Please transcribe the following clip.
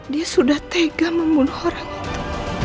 dia sudah tega membunuh orang itu